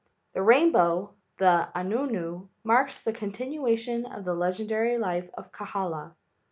The rain¬ bow, the anuenue, marks the continuation of the legendary life of Kahala.